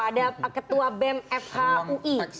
ada ketua bem fhui